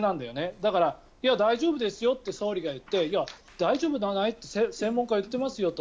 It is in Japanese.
だから、いや大丈夫ですよって総理が言っていや、大丈夫ではないって専門家は言ってますよと。